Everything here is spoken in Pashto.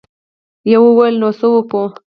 يوه وويل: نو څه وکو؟